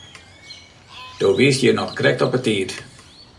Do wiest hjir noch krekt op 'e tiid.